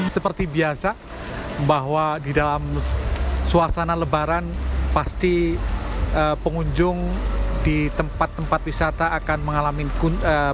seperti biasa bahwa di dalam suasana lebaran pasti pengunjung di tempat tempat wisata akan mengalami penurunan